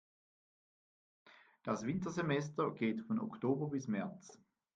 Das Wintersemester geht von Oktober bis März.